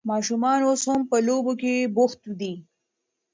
ماشومان اوس هم په لوبو کې بوخت دي.